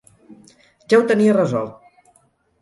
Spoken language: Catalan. Ja ho tenia resolt.